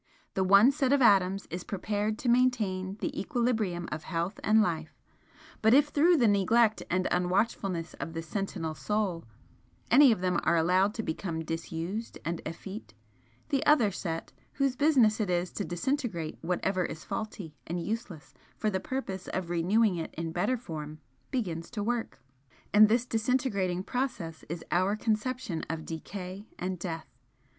The one set of atoms is prepared to maintain the equilibrium of health and life, but if through the neglect and unwatchfulness of the sentinel Soul any of them are allowed to become disused and effete, the other set, whose business it is to disintegrate whatever is faulty and useless for the purpose of renewing it in better form, begins to work and this disintegrating process is our conception of decay and death.